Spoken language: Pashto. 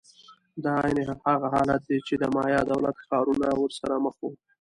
دا عین هغه حالت دی چې د مایا دولت ښارونه ورسره مخ وو.